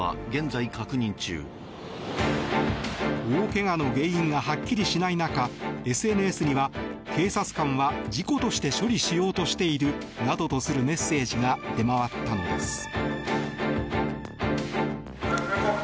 大怪我の原因がはっきりしない中ＳＮＳには警察官は事故として処理しようとしているなどとするメッセージが出回ったのです。